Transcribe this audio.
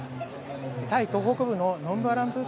タイ東北部のノンブアランプー